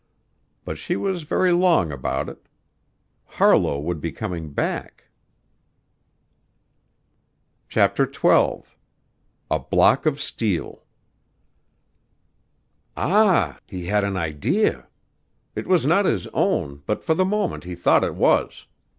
But she was very long about it. Harlowe would be coming back CHAPTER XII "A block of steel" Ah, he had an idea! It was not his own, but for the moment he thought it was.